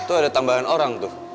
itu ada tambahan orang tuh